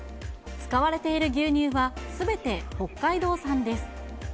使われている牛乳はすべて北海道産です。